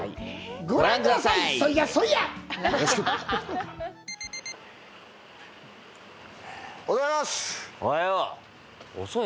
ご覧ください。